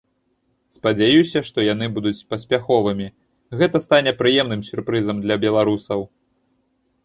Спадзяюся, што яны будуць паспяховымі, гэта стане прыемным сюрпрызам для беларусаў.